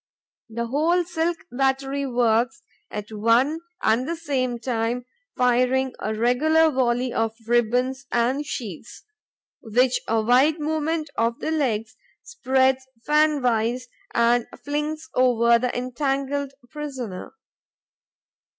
The whole silk battery works at one and the same time, firing a regular volley of ribbons and sheets, which a wide movement of the legs spreads fan wise and flings over the entangled prisoner.